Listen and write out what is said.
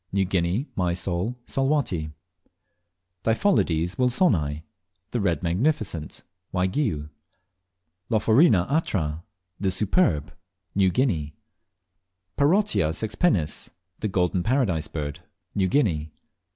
New Guinea, Mysol, Salwatty. 6. Diphyllodes wilsoni (The Red Magnificent). Waigiou. 7. Lophorina atra (The Superb). New Guinea. 8. Parotia sexpennis (The Golden Paradise Bird). New Guinea.